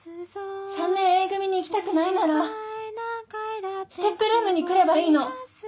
・３年Ａ組に行きたくないならＳＴＥＰルームに来ればいいの。